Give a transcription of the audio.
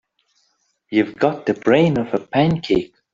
You've got the brain of a pancake.